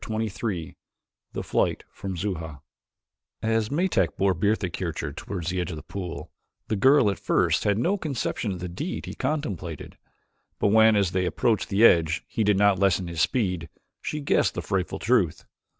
Chapter XXIII The Flight from Xuja As Metak bore Bertha Kircher toward the edge of the pool, the girl at first had no conception of the deed he contemplated but when, as they approached the edge, he did not lessen his speed she guessed the frightful truth.